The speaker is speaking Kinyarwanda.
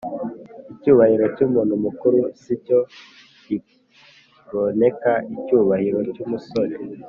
icyubahiro cy'umuntu muku ru, si cyo gironeka icyubahiro cy'umusore